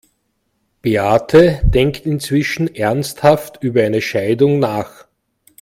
Beate denkt inzwischen ernsthaft über eine Scheidung nach.